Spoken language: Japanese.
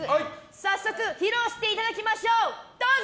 早速、披露していただきましょう。